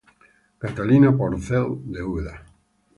Catalina Porcel, de Úbeda.